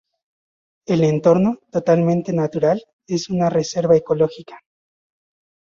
El entorno, totalmente natural, es una reserva ecológica.